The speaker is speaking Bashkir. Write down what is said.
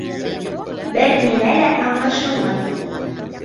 Бер нимә лә аңлашылмай.